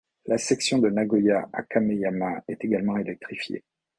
La section de Nagoya à Kameyama est également électrifiée.